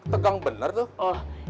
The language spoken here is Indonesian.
tegang bener tuh